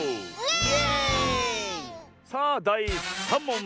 さあだい３もん！